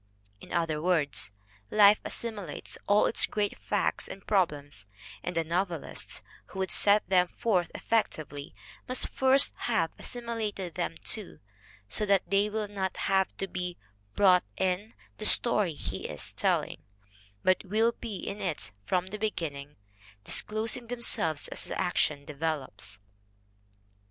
In other words, life assimilates all its great facts and problems and the novelist who would set them forth effectively must first have assimilated them too, so that they will not have to be "brought in" the story he is telling, but will be in it from the beginning, dis 70 THE WOMEN WHO MAKE OUR NOVELS closing themselves as the action develops.